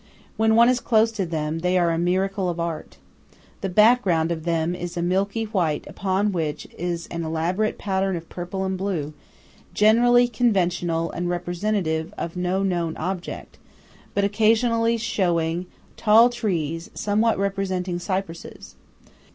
When one is close to them, they are a miracle of art. The background of them is a milky white upon which is an elaborate pattern of purple and blue, generally conventional and representative of no known object, but occasionally showing tall trees somewhat resembling cypresses.